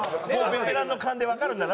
ベテランの勘でわかるんだな。